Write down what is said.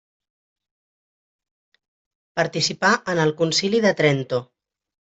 Participà en el Concili de Trento.